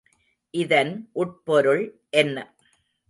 இதன் உட்பொருள் என்ன?